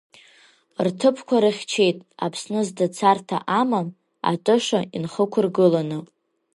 Рҭыԥқәа рыхьчеит Аԥсны зда царҭа амам атыша инхықәыргыланы.